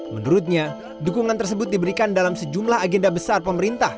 menurutnya dukungan tersebut diberikan dalam sejumlah agenda besar pemerintah